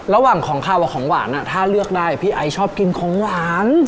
ระหว่างของขาวกับของหวานถ้าเลือกได้พี่ไอชอบกินของหวาน